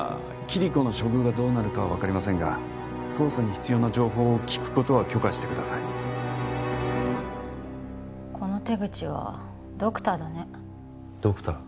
キリコの処遇がどうなるかは分かりませんが捜査に必要な情報を聞くことは許可してくださいこの手口はドクターだねドクター？